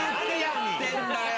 何やってんだよ